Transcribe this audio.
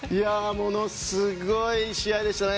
ものすごい試合でしたね。